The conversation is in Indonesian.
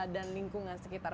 dan lingkungan sekitar